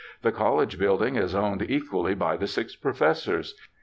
The college building is owned equally by the six professors.